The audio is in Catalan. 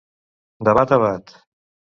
De bat a bat.